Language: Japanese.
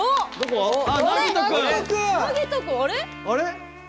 あれ？